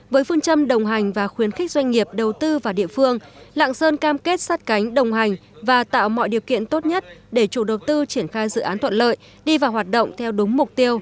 với phương châm đồng hành và khuyến khích doanh nghiệp đầu tư vào địa phương lạng sơn cam kết sát cánh đồng hành và tạo mọi điều kiện tốt nhất để chủ đầu tư triển khai dự án thuận lợi đi vào hoạt động theo đúng mục tiêu